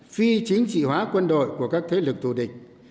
phi chính trị hóa quân đội của các thế lực thù địch